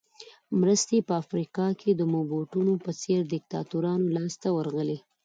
مرستې په افریقا کې د موبوټو په څېر دیکتاتورانو لاس ته ورغلې.